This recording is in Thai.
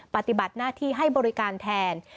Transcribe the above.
ปฏิบัติหน้าที่ให้บริการแทน